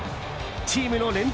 チームの連敗